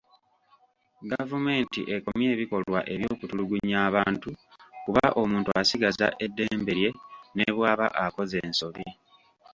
Gavumenti ekomye ebikolwa eby'okutulugunya abantu kuba omuntu asigaza eddembe lye ne bw'aba akoze ensobi .